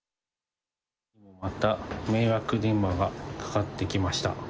また迷惑電話がかかってきました。